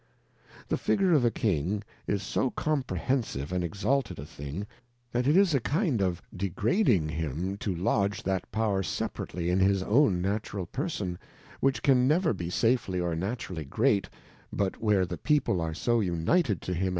The Figure of a King, is so comprehensive and exalted a thing, that it is a kind of degrading him to lodge that power separately in his own Natural Person, which can never be safely or naturally great, but where the People are so united to him of a Trimmer.